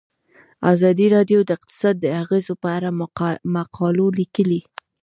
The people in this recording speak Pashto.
ازادي راډیو د اقتصاد د اغیزو په اړه مقالو لیکلي.